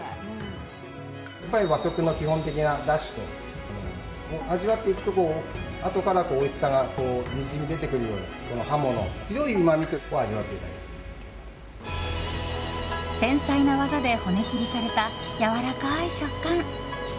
和食の基本的なだしと味わっていくとあとからおいしさがにじみ出てくるようなハモの強いうまみを繊細な技で骨切りされたやわらかい食感。